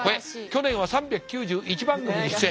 去年は３９１番組に出演。